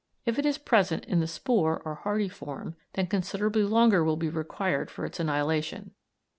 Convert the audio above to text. If it is present in the spore or hardy form, then considerably longer will be required for its annihilation.